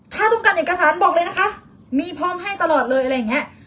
ถ้าต้องการเอกสารบอกเลยนะคะมีพร้อมให้ตลอดเลยอะไรอย่างเงี้ย